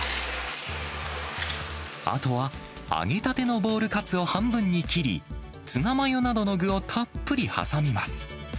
あとは揚げたてのボールカツを半分に切り、ツナマヨなどの具をたっぷり挟みます。